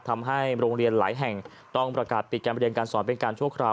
ทำให้โรงเรียนหลายแห่งต้องประกาศปิดการเรียนการสอนเป็นการชั่วคราว